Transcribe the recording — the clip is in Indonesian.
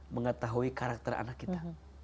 mengetahui karakter anak kita